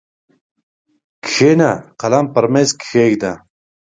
کښېنه قلم پر مېز کښېږده!